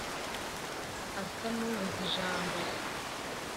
Asa n'ubuze ijambo